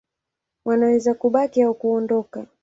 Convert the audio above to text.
Wanaweza kubaki au kuondoka.